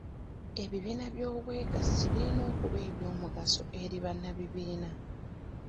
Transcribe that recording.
Ebibiina by'obwegassi birina okuba eby'omugaso eri bannabibiina.